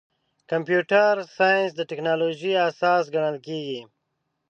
کمپیوټر ساینس د ټکنالوژۍ اساس ګڼل کېږي.